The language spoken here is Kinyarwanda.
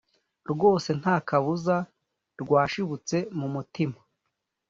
rwose ntakabuza rwashibutse mumutima